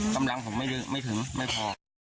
กำลังผมไม่ถึงไม่พอ